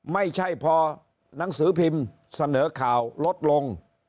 ไม่ใช่พอหนังสือพิมพ์เสนอข่าวลดลง